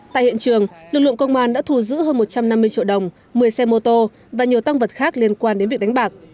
tại hiện trường lực lượng công an đã thù giữ hơn một trăm năm mươi triệu đồng một mươi xe mô tô và nhiều tăng vật khác liên quan đến việc đánh bạc